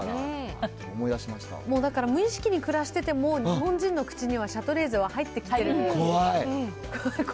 もうだから、無意識に暮らしてても、日本人の口にはシャトレーゼは入ってきてる。